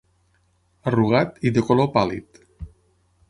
Arrugat i de color pàl·lid.